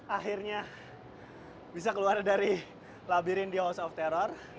akhirnya bisa keluar dari labirin di house of terror